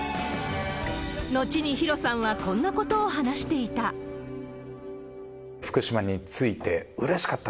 後にヒロさんは、こんなことを話していた。